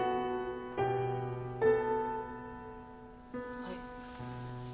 はい。